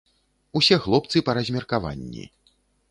Усе хлопцы, па размеркаванні.